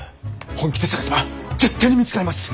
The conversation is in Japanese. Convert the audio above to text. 本気で捜せば絶対に見つかります。